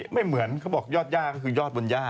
ไม่เหมือนเขาบอกยอดย่าก็คือยอดบนย่า